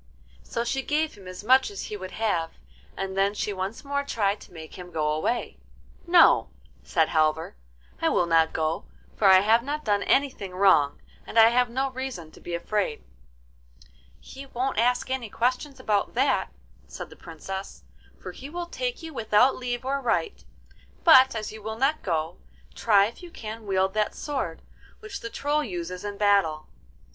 So she gave him as much as he would have, and then she once more tried to make him go away. 'No,' said Halvor, 'I will not go, for I have not done anything wrong, and I have no reason to be afraid.' 'He won't ask any questions about that,' said the Princess, 'for he will take you without leave or right; but as you will not go, try if you can wield that sword which the Troll uses in battle.